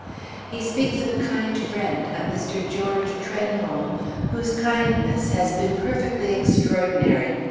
He speaks of a kind friend, a Mr. George Trenholm, whose kindness has been perfectly extraordinary.